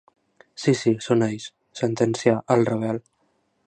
Sí, sí, són ells —sentencià el Ravel—.